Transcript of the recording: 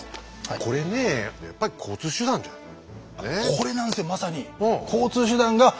これなんですよまさに。